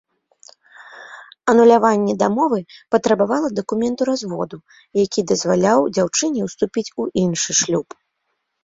Ануляванне дамовы патрабавала дакументу разводу, які дазваляў дзяўчыне ўступіць у іншы шлюб.